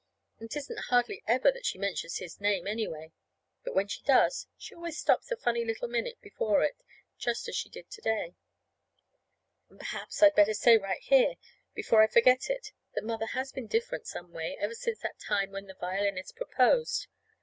And 'tisn't hardly ever that she mentions his name, anyway. But when she does, she always stops a funny little minute before it, just as she did to day. And perhaps I'd better say right here, before I forget it, that Mother has been different, some way, ever since that time when the violinist proposed.